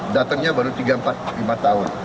datangnya baru tiga empat lima tahun